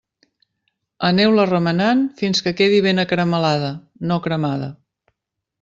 Aneu-la remenant fins que quedi ben acaramel·lada, no cremada.